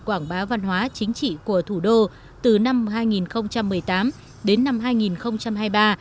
quảng bá văn hóa chính trị của thủ đô từ năm hai nghìn một mươi tám đến năm hai nghìn hai mươi ba